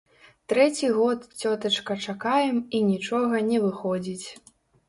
Трэці год, цётачка, чакаем, і нічога не выходзіць.